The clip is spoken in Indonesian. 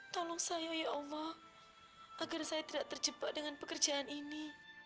tolong saya ya allah agar saya tidak terjebak dengan pekerjaan ini